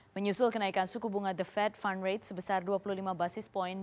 menyusul kenaikan suku bunga the fed fund rate sebesar dua puluh lima basis point